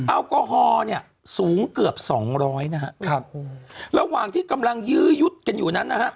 แอลกอฮอล์เนี่ยสูงเกือบสองร้อยนะฮะครับระหว่างที่กำลังยื้อยุดกันอยู่นั้นนะฮะ